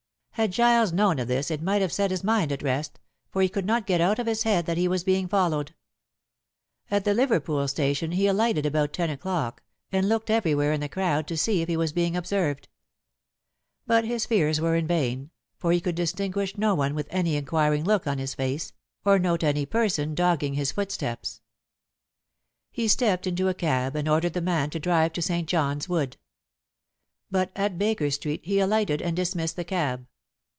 Had Giles known of this it might have set his mind at rest, for he could not get out of his head that he was being followed. At the Liverpool station he alighted about ten o'clock, and looked everywhere in the crowd to see if he was being observed. But his fears were vain, for he could distinguish no one with any inquiring look on his face, or note any person dogging his footsteps. He stepped into a cab and ordered the man to drive to St. John's Wood. But at Baker Street he alighted and dismissed the cab.